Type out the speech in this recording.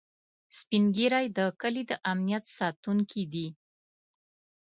سپین ږیری د کلي د امنيت ساتونکي دي